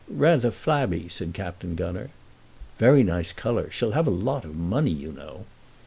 "Rather flabby," said Captain Gunner. "Very nice colour. She'll have a lot of money, you know."